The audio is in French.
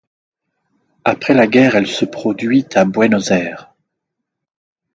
Après la guerre elle se produit à Buenos Aires.